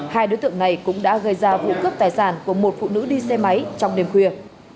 hai đối tượng này cũng đã gây ra vụ cướp tài sản của một phụ nữ đi xe máy trong đêm khuya